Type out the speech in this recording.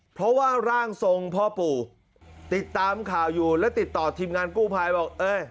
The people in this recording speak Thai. เพราะว่าร่างทรงพ่อปู่ติดตามข่าวอยู่และติดต่อทีมงานกู้ภัยบอกเอ้ย